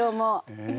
へえ。